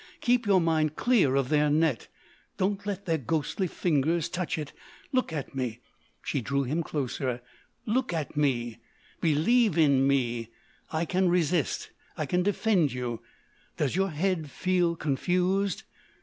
Keep your mind clear of their net! Don't let their ghostly fingers touch it. Look at me!" She drew him closer. "Look at me! Believe in me! I can resist. I can defend you. Does your head feel confused?"